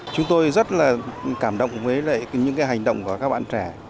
chúng tôi rất là cảm động với những cái hành động của các bạn trẻ